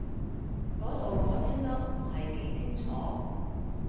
嗰度我聽得唔係幾清楚